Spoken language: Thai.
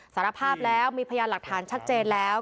สารภาพแล้วมีพยานหลักฐานชัดเจนแล้ว